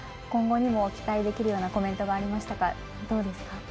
今後にも期待できるようなコメントがありましたがどうですか？